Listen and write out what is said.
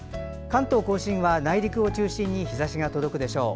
関東・甲信は内陸を中心に日ざしが届くでしょう。